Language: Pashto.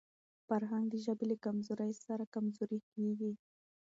فرهنګ د ژبي له کمزورۍ سره کمزورې کېږي.